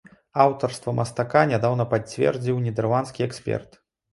Аўтарства мастака нядаўна пацвердзіў нідэрландскі эксперт.